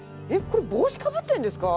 これ帽子かぶってるんですか？